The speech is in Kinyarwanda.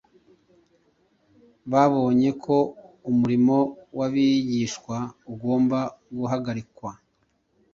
Babonye ko umurimo w’abigishwa ugomba guhagarikwa